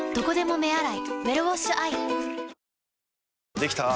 できたぁ。